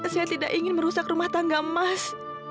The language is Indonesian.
saya tidak ingin merusak rumah tangga emas